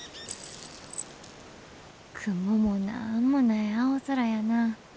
雲もなんもない青空やな。